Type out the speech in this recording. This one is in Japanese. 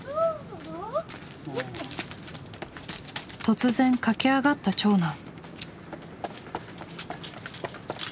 突然駆け上がった長男。